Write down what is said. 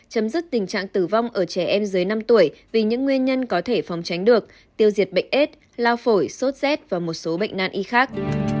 chấm dứt tình trạng tử vong ở trẻ em dưới năm tuổi vì những nguyên nhân có thể phòng tránh được tiêu diệt bệnh s lao phổi sốt z và một số bệnh nàn y khác